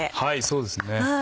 そうですね。